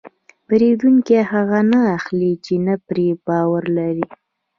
پیرودونکی هغه نه اخلي چې نه پرې باور لري.